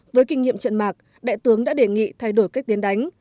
với kinh nghiệm trận mạc đại tướng đã đề nghị thay đổi cách tiến đánh